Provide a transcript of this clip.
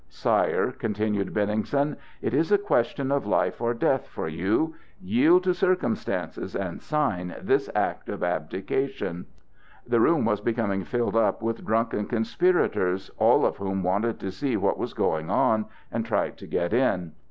"Sire," continued Benningsen, "it is a question of life or death for you! Yield to circumstances and sign this act of abdication!" The room was becoming filled up with drunken conspirators, all of whom wanted to see what was going on, and tried to get in.